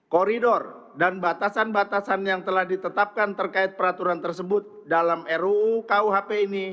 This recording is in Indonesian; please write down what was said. koridor dan batasan batasan yang telah ditetapkan terkait peraturan tersebut dalam ruu kuhp ini